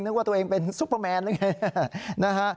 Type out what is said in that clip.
นึกว่าตัวเองเป็นซุปเปอร์แมนหรือไง